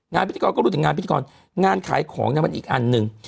งานพิธีกรก็รู้แต่งานพิธีกรงานขายของมันอีกอันนึง